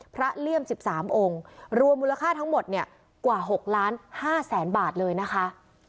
เลี่ยม๑๓องค์รวมมูลค่าทั้งหมดเนี่ยกว่า๖ล้าน๕แสนบาทเลยนะคะ